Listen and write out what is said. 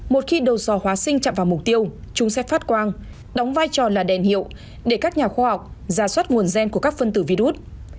một khi đồ sò hóa sinh chạm vào mục tiêu chúng sẽ phát quang đóng vai trò là đèn hiệu để các nhà khoa học giả soát nguồn gen của các phân tử virus